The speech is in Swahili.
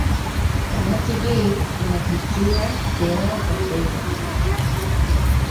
kamati hii inapitia sera za fedha